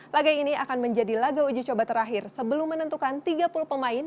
laga ini akan menjadi laga uji coba terakhir sebelum menentukan tiga puluh pemain